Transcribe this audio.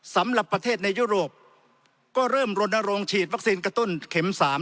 สำหรับประเทศในยุโรปก็เริ่มรณรงค์ฉีดวัคซีนกระตุ้นเข็ม๓